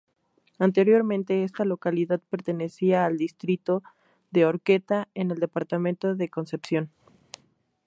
Anteriormente esta localidad pertenecía al distrito de Horqueta, en el departamento de Concepción.